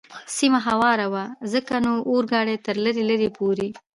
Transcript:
سیمه هواره وه، ځکه نو اورګاډی تر لرې لرې پورې.